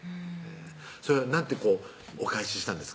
それは何てお返ししたんですか？